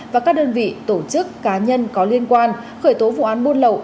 và các đơn vị tổ chức cá nhân có liên quan khởi tố vụ án buôn lậu